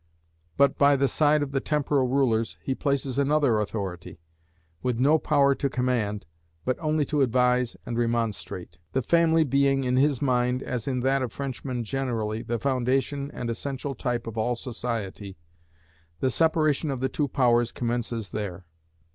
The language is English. But, by the side of the temporal rulers, he places another authority, with no power to command, but only to advise and remonstrate. The family being, in his mind as in that of Frenchmen generally, the foundation and essential type of all society, the separation of the two powers commences there.